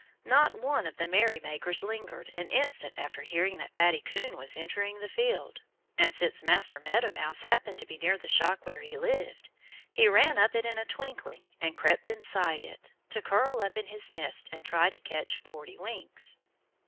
Not one of the merrymakers lingered an instant after hearing that Fatty Coon was entering the field. And since Master Meadow Mouse happened to be near the shock where he lived, he ran up it in a twinkling and crept inside it, to curl up in his nest and try to catch forty winks.